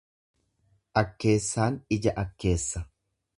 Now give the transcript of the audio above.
Akkeessaan ija akkeessa.